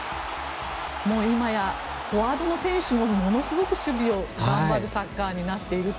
今やフォワードの選手もものすごく守備を頑張るサッカーになっていると。